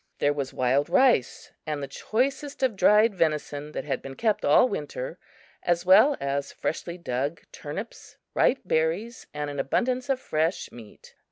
There was wild rice and the choicest of dried venison that had been kept all winter, as well as freshly dug turnips, ripe berries and an abundance of fresh meat.